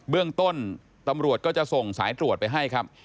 เรื่องต้นตำรวจก็จะส่งสายตรวจไปให้ครับ